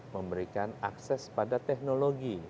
memberikan akses pada teknologi